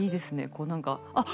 こうなんかあっ！